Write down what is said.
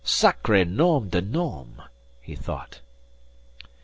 Sacré nom de nom..._" he thought.